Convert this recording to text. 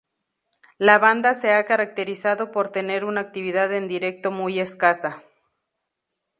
La banda se ha caracterizado por tener una actividad en directo muy escasa